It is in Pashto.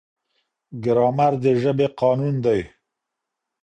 ګرامر د ژبې قانون دی.